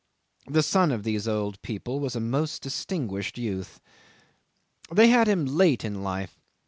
The son of these old people was a most distinguished youth. 'They had him late in life.